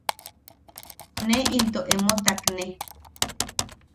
–ne into emo takne.